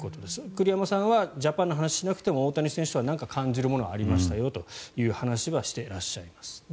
栗山さんはジャパンの話をしなくても大谷選手とは何か感じるものがありましたよという話はしていらっしゃいます。